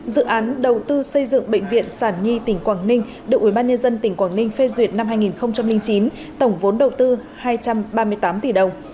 dự án đầu tư xây dựng bệnh viện sản nhi tỉnh quảng ninh được ubnd tỉnh quảng ninh phê duyệt năm hai nghìn chín tổng vốn đầu tư hai trăm ba mươi tám tỷ đồng